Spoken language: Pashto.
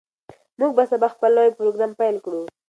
موږ به سبا خپل نوی پروګرام پیل کړو.